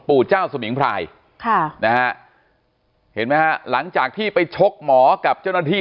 เจ้าสมิงพรายค่ะนะฮะเห็นไหมฮะหลังจากที่ไปชกหมอกับเจ้าหน้าที่